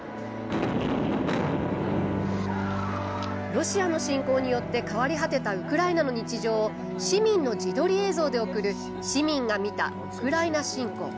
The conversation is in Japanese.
ロシアの侵攻によって変わり果てたウクライナの日常を市民の自撮り映像で送る「市民が見たウクライナ侵攻」。